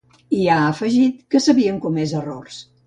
I ha afegit que s’havien comès errors.